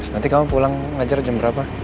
nanti kamu pulang ngajar jam berapa